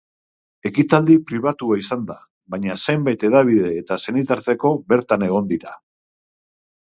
Ekitaldi pribatua izan da, baina zenbait hedabide eta senitarteko bertan egon dira.